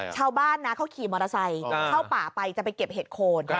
ชาวบ้านนะเขาขี่มอเตอร์ไซค์เข้าป่าไปจะไปเก็บเห็ดโคน